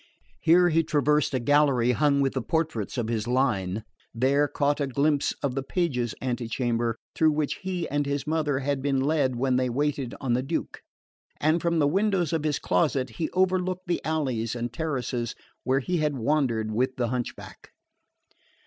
Here he traversed a gallery hung with the portraits of his line; there caught a glimpse of the pages' antechamber through which he and his mother had been led when they waited on the Duke; and from the windows of his closet he overlooked the alleys and terraces where he had wandered with the hunchback.